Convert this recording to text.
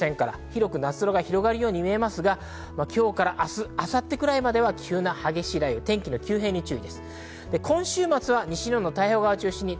広く夏空が広がるように見えますが、今日から明日、明後日くらいまでは急な激しい雷雨、天気の急変に注意が必要です。